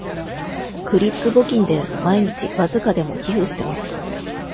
クリック募金で毎日わずかでも寄付してます